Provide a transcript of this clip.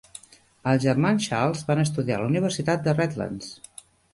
Els germans Charles van estudiar a la Universitat de Redlands.